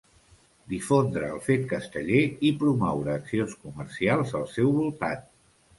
Difondre el fet casteller i promoure accions comercials al seu voltant.